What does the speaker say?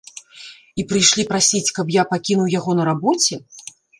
І прыйшлі прасіць, каб я пакінуў яго на рабоце?